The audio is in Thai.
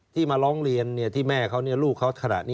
มาร้องเรียนที่แม่เขาลูกเขาขนาดนี้